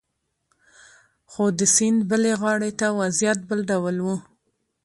خو د سیند بلې غاړې ته وضعیت بل ډول و